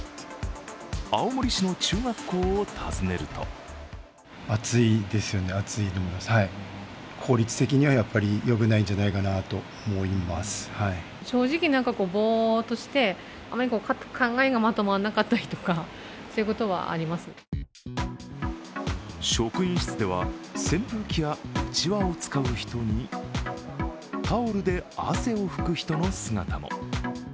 青森市の中学校を訪ねると職員室では扇風機やうちわを使う人に、タオルで汗を拭く人の姿も。